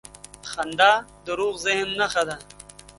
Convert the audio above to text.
• خندا د روغ ذهن نښه ده.